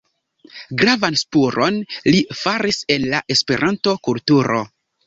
Gravan spuron li faris en la Esperanto-kulturo.